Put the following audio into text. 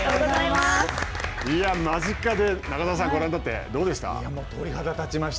間近で中澤さん、ご覧になってどうでした？